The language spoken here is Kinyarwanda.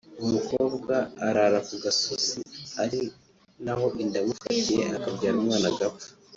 umukobwa arara ku gasozi ari naho inda yamufatiye akabyara umwana agapfa